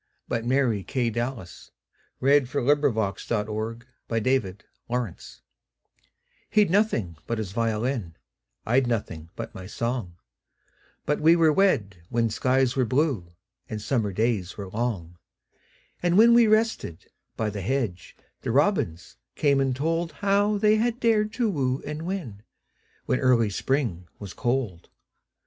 By Mary KyleDallas 1181 He 'd Nothing but His Violin HE 'D nothing but his violin,I 'd nothing but my song, But we were wed when skies were blueAnd summer days were long; And when we rested by the hedge, The robins came and toldHow they had dared to woo and win, When early Spring was cold.